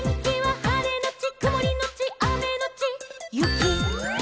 「はれのちくもりのちあめのちゆき」